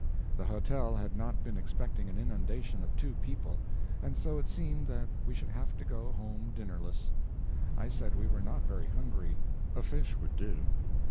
The hotel had not been expecting an inundation of two people, and so it seemed that we should have to go home dinnerless. I said we were not very hungry; a fish would do.